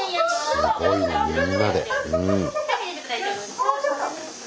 もうちょっと！